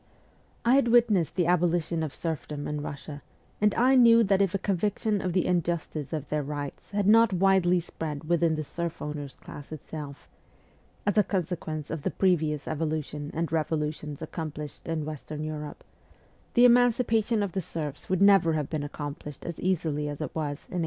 I had witnessed the abolition of serfdom in Russia, and I knew that if a conviction of the injustice of their rights had not widely spread within the serf owners' class itself (as a consequence of the previous evolution and revolutions accomplished in western Europe), the emancipation of the serfs would never have been accomplished as easily as it was in 1861.